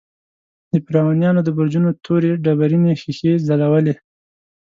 د فرعونیانو د برجونو تورې ډبرینې ښیښې ځلولې.